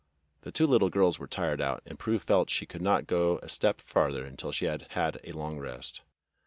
The two little girls were tired out, and Prue felt she could not go a step farther until she had had a long rest.